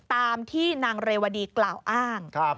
ตามที่นางเรวดีกล่าวอ้าง